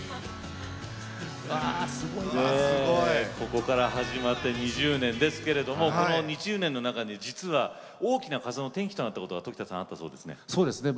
ここから始まって２０年ですけれどこの２０年の中で実は、大きな転機があったことが常田さん、あったそうですね。